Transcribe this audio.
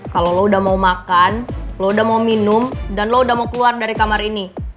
kalau lo udah mau makan lo udah mau minum dan lo udah mau keluar dari kamar ini